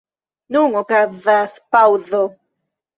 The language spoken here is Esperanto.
Nun okazas paŭzo.